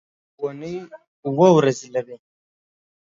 اونۍ اووه ورځې لري.